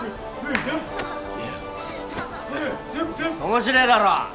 面白ぇだろ。